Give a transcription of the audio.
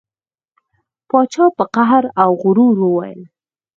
پاچا په قهر او غرور وویل.